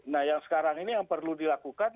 nah yang sekarang ini yang perlu dilakukan